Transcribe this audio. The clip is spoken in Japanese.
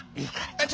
あっ！